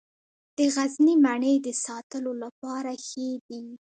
د غزني مڼې د ساتلو لپاره ښې دي.